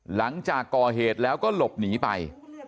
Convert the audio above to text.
หลังจากก่อเหตุแล้วก็หลบหนีไป